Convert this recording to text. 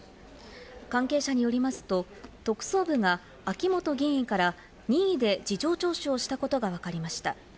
関係者によりますと、特捜部が秋本議員から任意で事情聴取をしたことがわかりました。